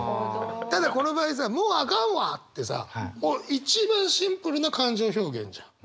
ただこの場合さ「もうあかんわ」ってさもう一番シンプルな感情表現じゃん。